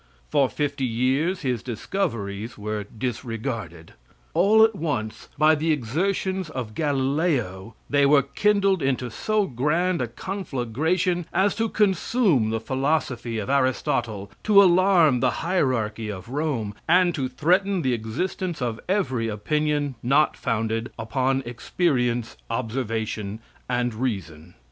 For fifty years his discoveries were disregarded. All at once, by the exertions of Galileo, they were kindled into so grand a conflagration as to consume the philosophy of Aristotle, to alarm the hierarchy of Rome, and to threaten the existence of every opinion not founded upon experience, observation and reason.